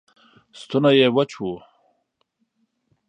ستونی یې وچ و